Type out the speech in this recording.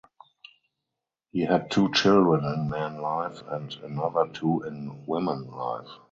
He had two children in man life and another two in woman life.